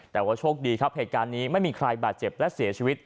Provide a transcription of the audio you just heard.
แต่ว่าโชคดีครับเหตุการณ์นี้ไม่มีใครบาดเจ็บและเสียชีวิต